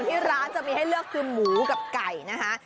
ที่ร้านจะมีให้เลือกคือหมูกับไก่นะคะ